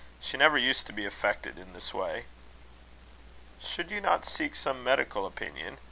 "She never used to be affected in this way." "Should you not seek some medical opinion?"